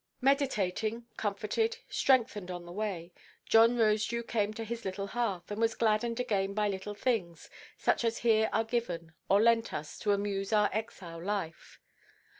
Meditating, comforted, strengthened on the way, John Rosedew came to his little hearth, and was gladdened again by little things, such as here are given or lent us to amuse our exile life.